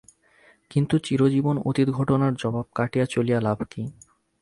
কিন্তু চিরজীবন অতীত ঘটনার জবাব কাটিয়া চলিয়া লাভ কী?